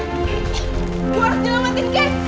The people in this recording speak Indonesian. gue harus nyelamatin kek